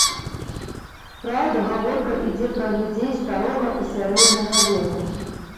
Праўда, гаворка ідзе пра людзей старога і сярэдняга веку.